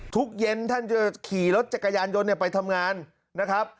เย็นท่านจะขี่รถจักรยานยนต์ไปทำงานนะครับ